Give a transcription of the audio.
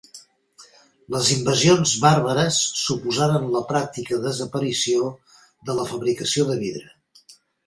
Les invasions bàrbares suposaren la pràctica desaparició de la fabricació de vidre.